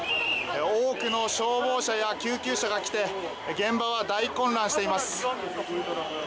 多くの消防車や救急車が来て現場は大混乱しています。